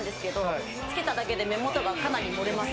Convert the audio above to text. つけただけで目元がかなり盛れます。